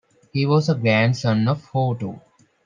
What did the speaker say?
He was a grandson of Houtu.